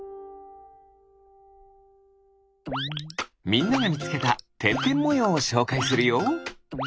みんながみつけたてんてんもようをしょうかいするよ。